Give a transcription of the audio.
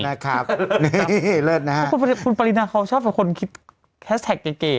นะครับนี่เลิศนะฮะคุณปรินาเขาชอบเป็นคนคิดแฮสแท็กเก๋